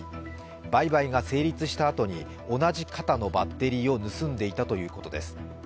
売買が成立したあとに同じ型のバッテリーを盗んでいたということです。